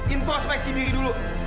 introspasi diri dulu